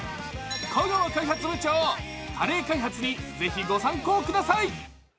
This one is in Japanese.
香川開発部長、カレー開発にぜひご参考ください。